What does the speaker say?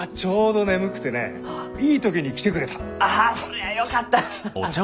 ああそりゃあよかった！